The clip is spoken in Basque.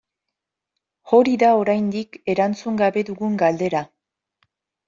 Hori da oraindik erantzun gabe dugun galdera.